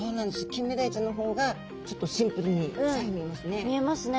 キンメダイちゃんの方がちょっとシンプルにさえ見えますね。